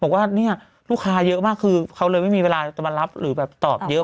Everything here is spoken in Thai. บอกว่าเนี่ยลูกค้าเยอะมากคือเขาเลยไม่มีเวลาจะมารับหรือแบบตอบเยอะ